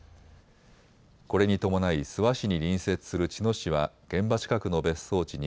これに伴い諏訪市に隣接する茅野市は現場近くの別荘地２